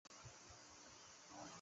苏茂逃到下邳郡和董宪合流。